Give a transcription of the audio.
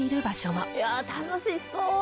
いや楽しそう。